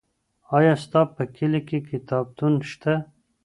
آیا ستا په کلي کې کتابتون شته؟